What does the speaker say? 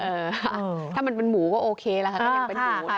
เออถ้ามันเป็นหมูก็โอเคละค่ะแต่ยังเป็นหมูนะคะ